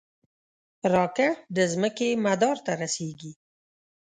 راکټ د ځمکې مدار ته رسېږي